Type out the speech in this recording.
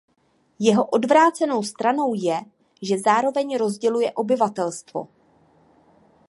Jeho odvrácenou stranou je, že zároveň rozděluje obyvatelstvo.